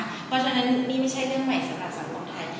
เพราะฉะนั้นนี่ไม่ใช่เรื่องใหม่สำหรับสังคมไทย